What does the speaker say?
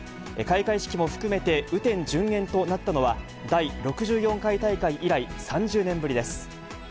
開会式も含めて、雨天順延となったのは、第６４回大会以来、３０年ぶりです。